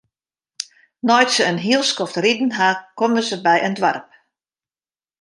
Nei't se in hiel skoft riden ha, komme se by in doarp.